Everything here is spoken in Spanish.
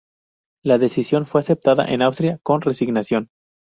La decisión fue aceptada en Austria con resignación.